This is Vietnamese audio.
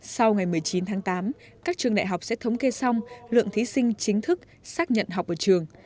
sau ngày một mươi chín tháng tám các trường đại học sẽ thống kê xong lượng thí sinh chính thức xác nhận học ở trường